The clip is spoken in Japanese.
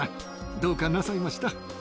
どうかなさいました？